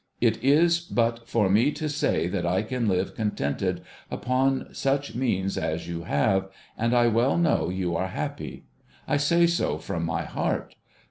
It is but for me to say that I can live contented uj^on such means as you have, and I well know you are happy. I say so from my heart.